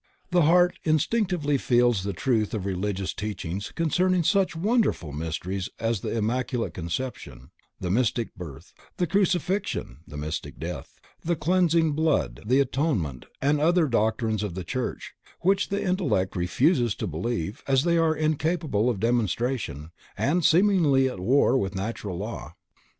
The heart instinctively feels the truth of religious teachings concerning such wonderful mysteries as the Immaculate Conception (the Mystic Birth), the Crucifixion (the Mystic Death), the cleansing blood, the atonement, and other doctrines of the Church, which the intellect refuses to believe, as they are incapable of demonstration, and seemingly at war with natural law.